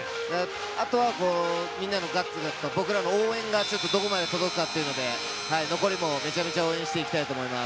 あとはみんなのガッツ、僕らの応援がどこまで届くかというので、残りもめちゃめちゃ応援していきたいと思います。